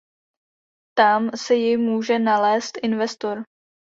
Tam si ji může nalézt investor.